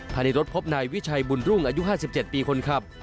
ภายในรถพบนายวิชัยบุญรุ่งอายุ๕๗ปีคนขับ